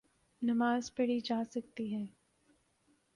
نماز پڑھی جاسکتی ہے۔